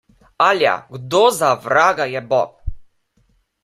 Alja, kdo za vraga je Bob?